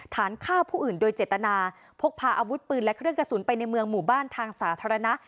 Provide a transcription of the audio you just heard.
ฐานฆ่าผู้อื่นโดยเจตนาพกพาอาวุธปืนและเครื่องกระสุนไปในเมืองหมู่บ้านทางสาธารณะ